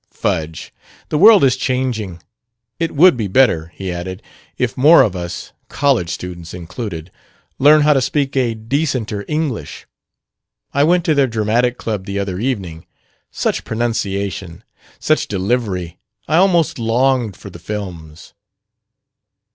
Fudge! The world is changing. It would be better," he added, "if more of us college students included learned how to speak a decenter English. I went to their dramatic club the other evening. Such pronunciation! Such delivery! I almost longed for the films."